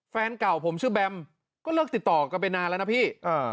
แฟนเก่าผมชื่อแบมก็เลิกติดต่อกันไปนานแล้วนะพี่